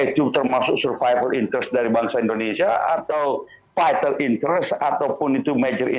tapi harus dipahami